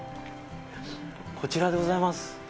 こちらでございます。